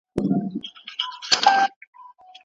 نقاش د خپل خیالي جنت کړکۍ ته ځیر ولاړ دی